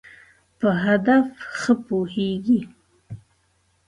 په هدف ښه پوهېږی.